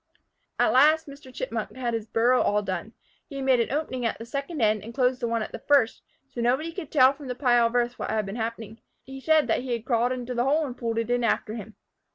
At last Mr. Chipmunk had his burrow all done. He had made an opening at the second end and closed the one at the first, so nobody could tell from the pile of earth what had been happening. He said he had crawled into the hole and pulled it in after him.